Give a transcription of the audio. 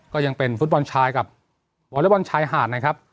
ก็ยังเป็นฟุตบอลชายกับวอเล็กบอลชายหาดนะครับ